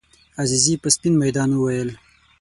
عزیزي په سپین میدان وویل.